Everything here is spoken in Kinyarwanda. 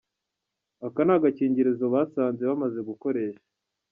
Aka ni agakingirizo basanze bamaze gukoresha.